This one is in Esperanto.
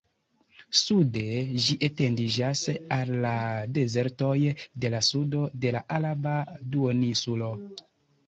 Sude, ĝi etendiĝas al la dezertoj de la sudo de la Araba Duoninsulo.